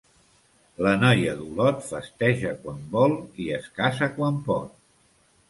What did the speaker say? La noia d'Olot festeja quan vol i es casa quan pot.